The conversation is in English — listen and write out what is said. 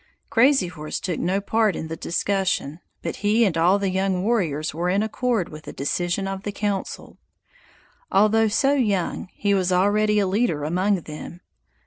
Crazy Horse took no part in the discussion, but he and all the young warriors were in accord with the decision of the council. Although so young, he was already a leader among them.